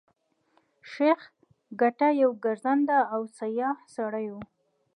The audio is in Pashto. شېخ کټه يو ګرځنده او سیاح سړی وو.